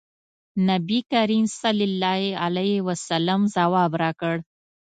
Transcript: نبي کریم صلی الله علیه وسلم ځواب راکړ.